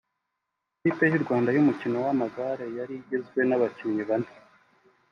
ikipe y’u Rwanda y’umukino w’amagare yari igizwe n’abakinnyi bane